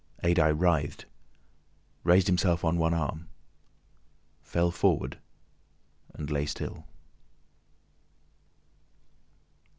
Adye writhed, raised himself on one arm, fell forward, and lay still.